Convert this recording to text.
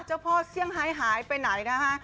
เจ้าพ่อเซี่ยงไฮหายไปไหนนะคะ